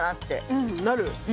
うんなる。